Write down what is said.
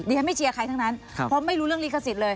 ฉันไม่เชียร์ใครทั้งนั้นเพราะไม่รู้เรื่องลิขสิทธิ์เลย